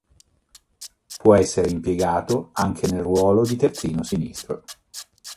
Può essere impiegato anche nel ruolo di terzino sinistro.